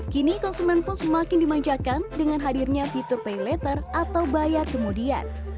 kini konsumen pun semakin dimanjakan dengan hadirnya fitur pay letter atau bayar kemudian